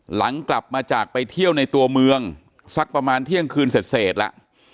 หลังจากกลับมาจากไปเที่ยวในตัวเมืองสักประมาณเที่ยงคืนเสร็จแล้ว